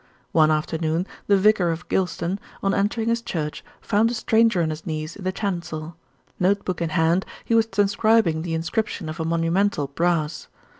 One afternoon the vicar of Gylston, on entering his church, found a stranger on his knees in the chancel. Note book in hand, he was transcribing the inscription of a monumental brass.